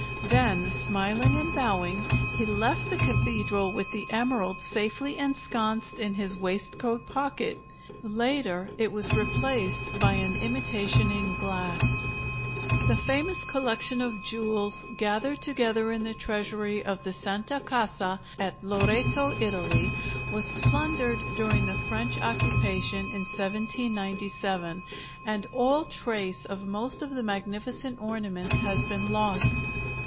Then, smiling and bowing, he left the cathedral with the emerald safely ensconced in his waistcoat pocket. Later, it was replaced by an imitation in glass. The famous collection of jewels gathered together in the treasury of the Santa Casa, at Loreto, Italy, was plundered during the French occupation in 1797, and all trace of most of the magnificent ornaments has been lost.